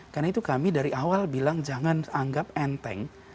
karena itu kami dari awal bilang jangan anggap enteng